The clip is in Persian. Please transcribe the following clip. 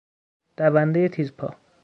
دوندهی تیزپا